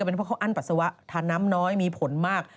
เป็นเพราะเขาอั้นปัสสาวะทานน้ำน้อยมีผลมาก